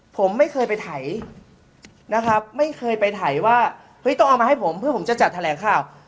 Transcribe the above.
ผมไม่เคยไปไถนะครับไม่เคยไปถ่ายว่าเฮ้ยต้องเอามาให้ผมเพื่อผมจะจัดแถลงข่าว